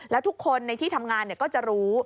แล้วทุกคนในที่ทำงานก็จะรู้